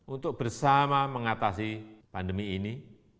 untuk bersama mengatasi pandemi ini